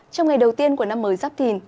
trong ngày đầu tiên của năm mới dắp thìn